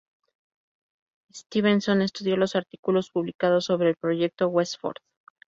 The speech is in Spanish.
Stevenson estudió los artículos publicados sobre el Proyecto West Ford.